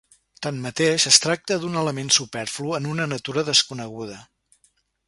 Tanmateix, es tracta d'un element superflu en una natura desconeguda.